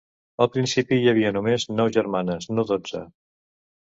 Al principi, hi havia només nou germanes no dotze.